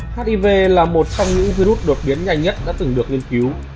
hiv là một trong những virus đột biến nhanh nhất đã từng được nghiên cứu